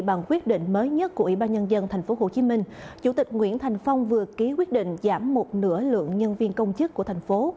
bằng quyết định mới nhất của ủy ban nhân dân tp hcm chủ tịch nguyễn thành phong vừa ký quyết định giảm một nửa lượng nhân viên công chức của thành phố